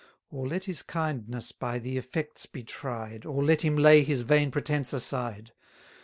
Or let his kindness by the effects be tried, Or let him lay his vain pretence aside.